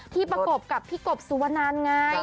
ที่ประกบกับพี่กบซูตนานไง